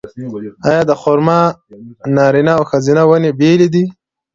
آیا د خرما نارینه او ښځینه ونې بیلې دي؟